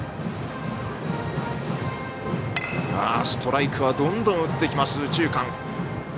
ストライクはどんどん打ってきます。